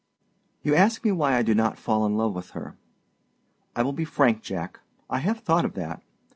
You asked me why I do not fall in love with her. I will be frank, Jack; I have thought of that.